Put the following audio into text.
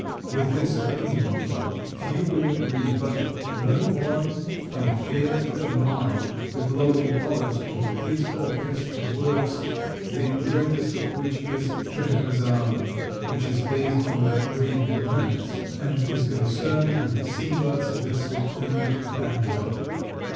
With this opinion few will agree, but no one can fail to admire the glowing colors of his orchestral works, the greatest of which is "Scheherazade," which is based on "The Arabian Nights," and is concerned with Sinbad's vessel and Bagdad.